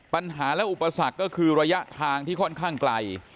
ปัญหาและอุปสรรคก็คือระยะทางที่ค่อนข้างไกล